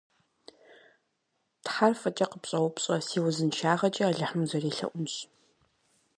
Тхьэр фӀыкӀэ къыпщӀэупщӀэ, – си узыншагъэкӀи Алыхьым узэрелъэӀунщ.